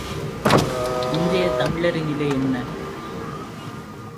இன்றைய தமிழரின் நிலை என்ன?